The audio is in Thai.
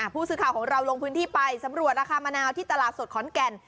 ผู้สื่อข่าวของเราลงพื้นที่ไปสำรวจราคามะนาวที่ตลาดสดขอนแก่น